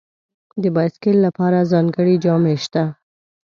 د بایسکل لپاره ځانګړي جامې شته.